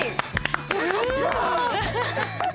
よかった。